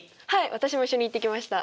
私も一緒に行ってきました。